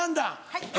はい！